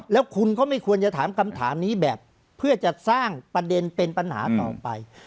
แล้วคุณก็ไม่ควรจะถามคำถามนี้แบบเพื่อจะสร้างประเด็นเป็นปัญหาต่อไป